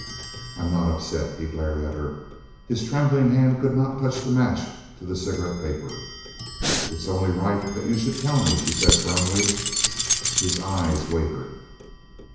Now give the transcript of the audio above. "I'm not upset!" He glared at her. His trembling hand could not touch the match to the cigarette paper. "It's only right that you should tell me," she said firmly. His eyes wavered.